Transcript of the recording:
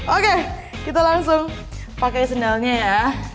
oke kita langsung pakai sendalnya ya